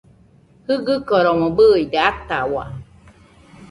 Jɨgɨkoromo bɨide atahau